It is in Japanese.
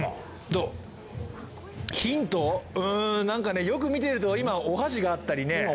ヒントなんかねよく見てみるとお箸があったりね。